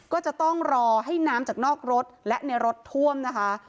ก็จะต้องรอให้น้ำจากนอกรถและในรถท่วมนะคะ